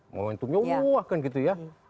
momentumnya meluah kan gitu ya